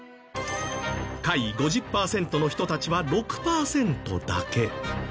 下位５０パーセントの人たちは６パーセントだけ。